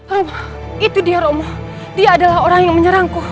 oh itu dia romo dia adalah orang yang menyerangku